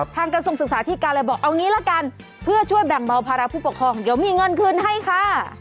กระทรวงศึกษาที่การเลยบอกเอางี้ละกันเพื่อช่วยแบ่งเบาภาระผู้ปกครองเดี๋ยวมีเงินคืนให้ค่ะ